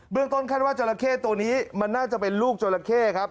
ต้นคาดว่าจราเข้ตัวนี้มันน่าจะเป็นลูกจราเข้ครับ